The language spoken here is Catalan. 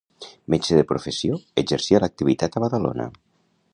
Metge de professió, exercia l'activitat a Badalona.